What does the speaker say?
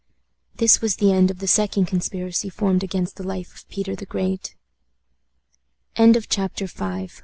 This was the end of the second conspiracy formed against the life of Peter the Great. CHAPTER VI.